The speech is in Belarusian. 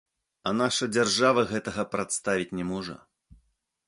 А наша дзяржава гэтага прадставіць не можа.